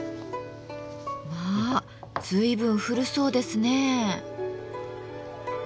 まあ随分古そうですね。